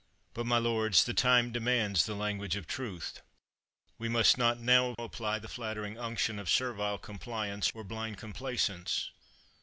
But, my lords, the time demands the language of truth. We must not now apply the flattering unction of servile compliance or blind complaisance.